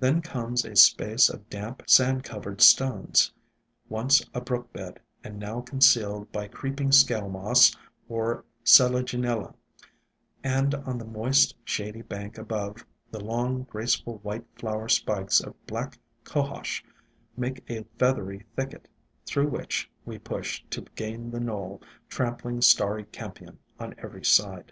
Then comes a space of damp, sand covered stones, / once a brook bed, and now con cealed by Creeping Scale Moss or Selaginella; and on the moist, shady bank above, the long, graceful white flower spikes of Black Cohosh make a feathery thicket, through which we push to gain the knoll, trampling Starry Campion on every side.